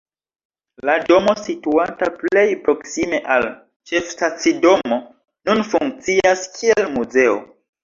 La domo, situanta plej proksime al ĉefstacidomo, nun funkcias kiel muzeo.